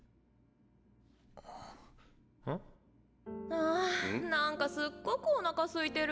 あぁなんかすっごくおなかすいてる。